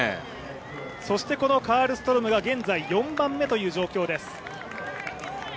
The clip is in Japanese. そしてこのカルストロームが現在４番目という位置です。